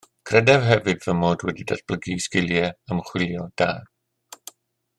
Credaf hefyd fy mod wedi datblygu sgiliau ymchwilio da.